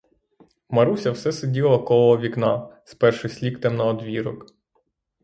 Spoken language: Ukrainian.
Маруся все сиділа коло вікна, спершись ліктем на одвірок.